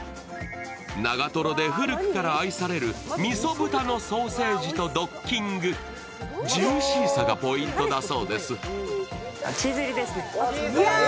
長瀞で古くから愛されるみそ豚のソーセージとドッキング、ジューシーさがポイントだそうです。